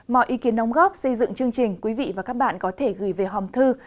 mọi ý kiến đóng góp xây dựng chương trình quý vị và các bạn có thể gửi về hòm thư